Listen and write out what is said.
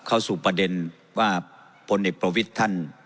เข้าสู่ประเด็นว่าพลเอกประวิทย์ท่าน